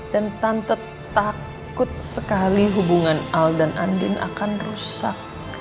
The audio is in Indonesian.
dan tante takut sekali hubungan al dan andin akan rusak